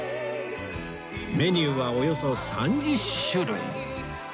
メニューはおよそ３０種類！